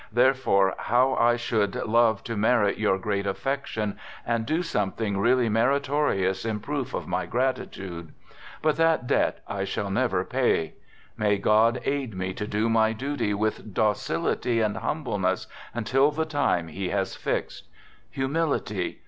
Therefore, how I should love to merit your great affection and do something really meritorious in proof of my gratitude ! But that debt I shall never pay. May God aid me to do my duty with docility and humbleness until the time He has fixed. Humility